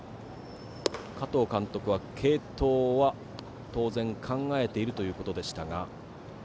加藤監督は継投は当然考えているということでしたが。